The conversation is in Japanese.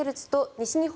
西日本